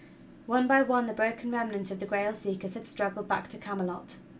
One by one the broken remnant of the Grail seekers had strag gled back to Camelot.